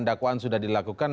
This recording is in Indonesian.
perdakwaan sudah dilakukan